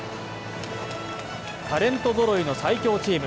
タレントぞろいの最強チーム。